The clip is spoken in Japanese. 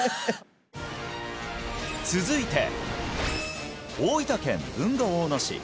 続いて大分県豊後大野市